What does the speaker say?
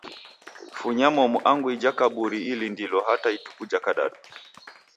Funya momu angu ija kaburi ilindilo hata ituku ja kadadu.